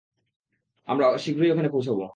আমরা শীঘ্রই ওখানে পৌঁছাবো।